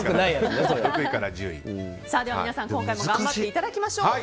皆さん今回も頑張っていただきましょう。